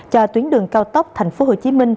cho tuyến đường cao tốc tp hcm